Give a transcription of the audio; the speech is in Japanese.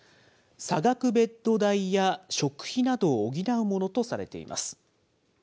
差額ベッド代や食費などを補うものとされています。